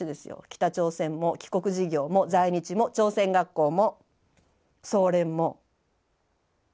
北朝鮮も帰国事業も在日も朝鮮学校も総連も脱北も。